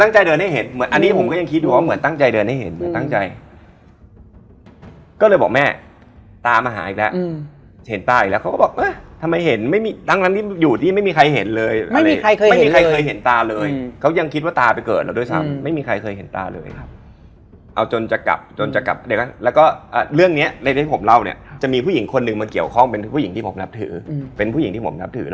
จำไม่ได้ว่าจังหวัดอะไรถ่ายเรื่องเรือนแพ้